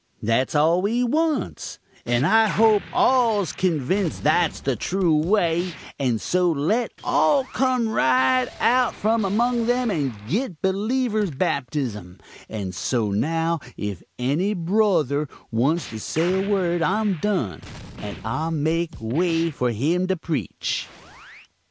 That's all we wants; and I hope all's convinced that's the true way and so let all come right out from among them and git beleevur's baptism; and so now if any brothur wants to say a word I'm done, and I'll make way for him to preach."